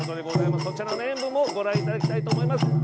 こちらの演舞もご覧いただきたいと思います。